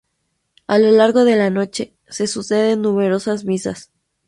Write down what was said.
A lo largo de la noche, se suceden numerosas misas.